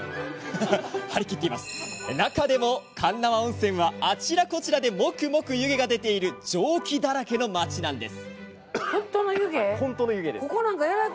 中でも鉄輪温泉はあちらこちらでもくもく湯気が出ている蒸気だらけの町なんです。